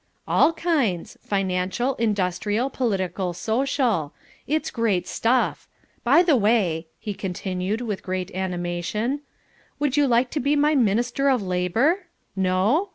"All kinds financial, industrial, political, social. It's great stuff. By the way," he continued with great animation, "would you like to be my Minister of Labour? No?